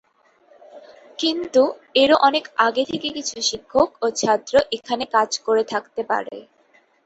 কিন্তু এরও অনেক আগে থেকে কিছু শিক্ষক ও ছাত্র এখানে কাজ করে থাকতে পারে।